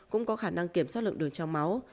cũng có khả năng kiểm soát lượng đường trong máu